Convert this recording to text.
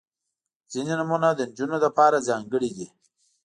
• ځینې نومونه د نجونو لپاره ځانګړي دي.